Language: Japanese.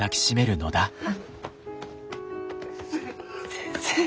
先生。